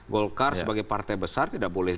golkar sebagai partai besar tidak boleh